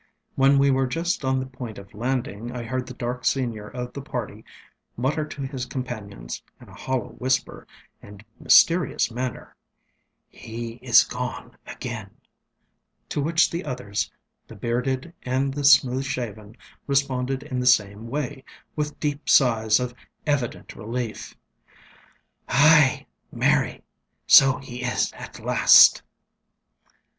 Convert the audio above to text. When we were just on the point of landing, I heard the dark senior of the party mutter to his companions, in a hollow whisper and mysterious manner, ŌĆ£He is gone again; ŌĆØ to which the others, the bearded and the smooth shaven, responded in the same way, with deep sighs of evident relief, ŌĆ£Ay, marry! so he is at last.